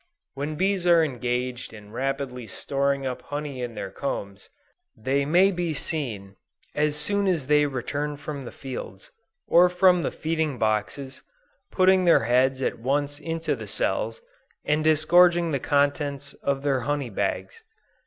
When bees are engaged in rapidly storing up honey in their combs, they may be seen, as soon as they return from the fields, or from the feeding boxes, putting their heads at once into the cells, and disgorging the contents of their "honey bags."